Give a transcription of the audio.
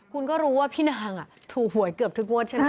คุณก็รู้ว่าพี่นางถูกหวยเกือบทุกงวดใช่ไหม